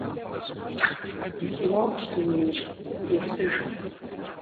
Уэгъущ дунейр, есыж.